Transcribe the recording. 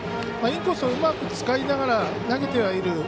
インコースをうまく使いながら投げてはいる。